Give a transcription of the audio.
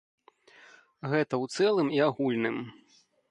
Гэта ў цэлым і агульным.